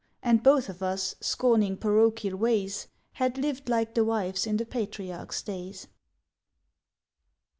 And both of us, scorning parochial ways, Had lived like the wives in the patriarchs' days."